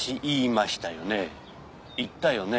言ったよね？